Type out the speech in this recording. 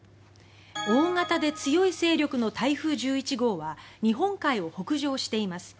大型で強い勢力の台風１１号は日本海を北上しています。